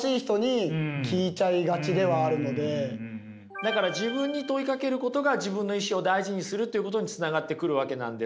だから自分に問いかけることが自分の意志を大事にするということにつながってくるわけなんですけど。